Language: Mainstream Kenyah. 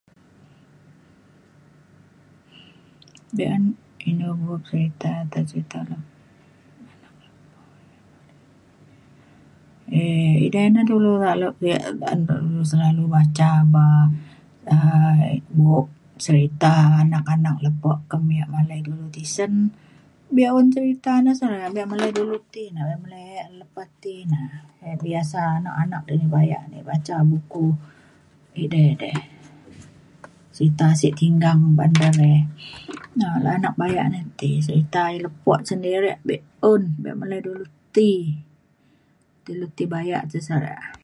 be’un inu bup serita te serita lepo- e idai na dulu alok yak ba’an dulu selalu baca ba- um bup serita anak anak lepo kem yak malai dulu tisen be’un serita na sere. be melai dulu ti na be malai yak lepa ti na biasa anak anak bayak ni ida baca buku edei dei serita sek tinggang ban de re anak bayak ni ti serita lepo sendiri be’un be melai dulu ti. ilu ti bayak te sere